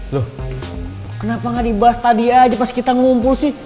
loh kenapa gak dibahas tadi aja pas kita ngumpul sih